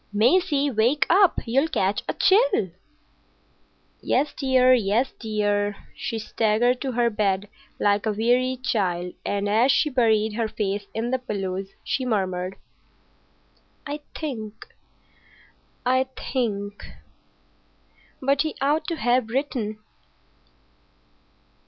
"Maisie, wake up. You'll catch a chill." "Yes, dear; yes, dear." She staggered to her bed like a wearied child, and as she buried her face in the pillows she muttered, "I think—I think.... But he ought to have written."